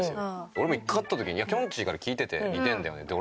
俺も１回会った時にきょんちぃから聞いてて似てるんだよねって。